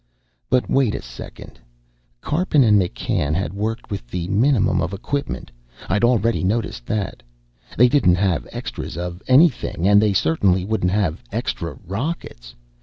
But, wait a second. Karpin and McCann had worked with the minimum of equipment, I'd already noticed that. They didn't have extras of anything, and they certainly wouldn't have extra rockets.